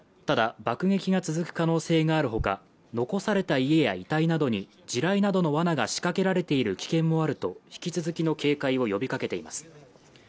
ただ、爆撃が続く可能性があるほか、残された家や遺体などに地雷などの罠が仕掛けられている危険もあると引き続きの警戒を呼びかけています。